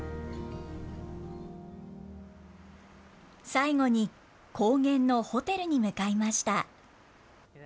最後に、高原のホテルに向かいました。